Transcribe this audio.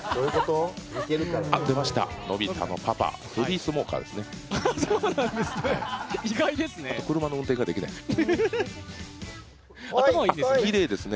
あ、出ました、のび太のパパヘビースモーカーですね。